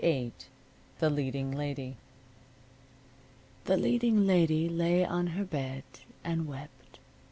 VIII THE LEADING LADY The leading lady lay on her bed and wept.